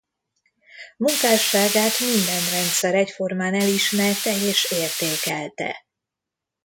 Munkásságát minden rendszer egyformán elismerte és értékelte.